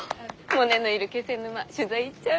モネのいる気仙沼取材行っちゃうよ？